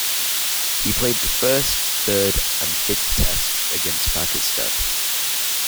He played the First, Third and Fifth Tests against Pakistan.